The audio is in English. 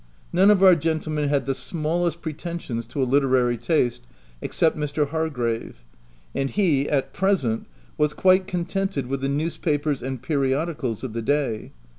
None of our gentlemen had the smallest pretensions to a literary taste, except Mr. Hargrave ; and he, at present, was quite contented with the news papers and periodicals of the day.